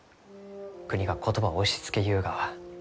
国が言葉を押しつけゆうがは。